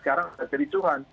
sekarang ada kericuhan